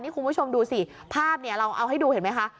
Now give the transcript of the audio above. นี่คุณผู้ชมดูสิภาพเราเอาให้ดูเห็นไหมคะ